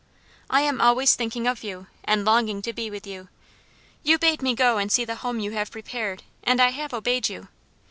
I am always thinking of you, and longing to be with you. You bade me go and see the home you have prepared, and I have obeyed you.